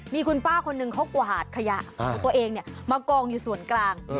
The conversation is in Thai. มีคุณป้าคนหนึ่งเขากวาดขยะของตัวเองมากองอยู่ส่วนกลาง